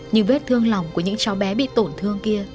như vết thương lòng của những cháu bé bị tổn thương kia